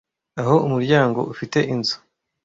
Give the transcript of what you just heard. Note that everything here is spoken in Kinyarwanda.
aho umuryango ufite inzu